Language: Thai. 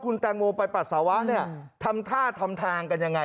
คุณแตงโมไปปรัศวะทำท่าทำทางกันยังไง